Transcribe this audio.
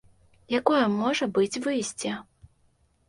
Якое можа быць выйсце?